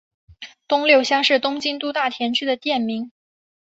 东六乡是东京都大田区的町名。